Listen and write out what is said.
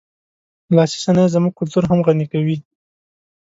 لاسي صنایع زموږ کلتور هم غني کوي.